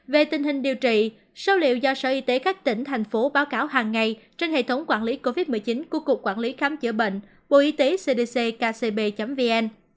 về tình hình điều trị số liệu do sở y tế các tỉnh thành phố báo cáo hàng ngày trên hệ thống quản lý covid một mươi chín của cục quản lý khám chữa bệnh bộ y tế cdc kcb vn